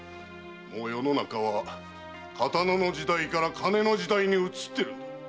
もう世の中は刀の時代から金の時代に移ってるのだ。